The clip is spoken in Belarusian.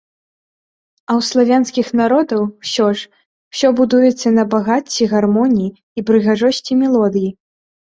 А ў славянскіх народаў, усё ж, усё будуецца на багацці гармоніі і прыгажосці мелодыі.